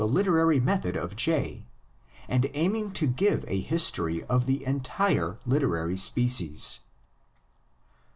literary method of J and aiming to give a history of the entire literary species.